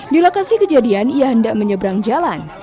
di lokasi kejadian ia hendak menyeberang jalan